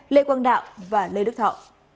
lê quang đạo và lê đức thọ